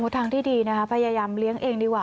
ทางที่ดีนะคะพยายามเลี้ยงเองดีกว่า